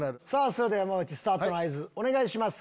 それでは山内スタートの合図お願いします。